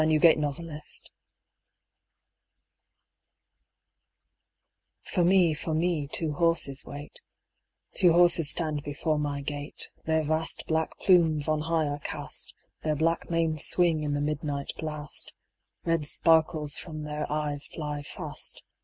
THE WIZARD'S FUNERAL For me, for me, two horses wait, Two horses stand before my gate : Their vast black plumes on high are cast, Their black manes swing in the midnight blast, Red sparkles from their eyes fly fast.